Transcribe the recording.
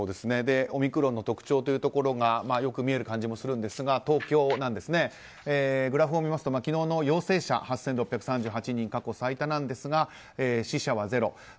オミクロンの特徴というところがよく見える感じもするんですが東京、グラフを見ますと昨日の陽性者、８６３８人過去最多なんですが、死者はゼロ。